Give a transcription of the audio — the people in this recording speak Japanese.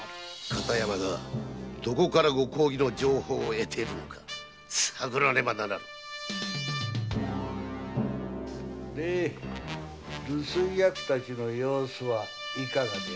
片山がどこからご公儀の情報を得ているのか探らねばならぬ！で留守居役たちの様子は？